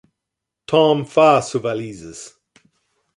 Tom fa su valises.